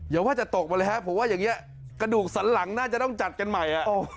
ว่าจะตกมาเลยฮะผมว่าอย่างนี้กระดูกสันหลังน่าจะต้องจัดกันใหม่